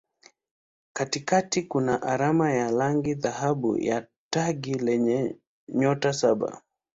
Katikati kuna alama ya rangi dhahabu ya taji lenye nyota saba.